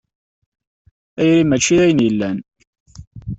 Tayri mačči d ayen yellan.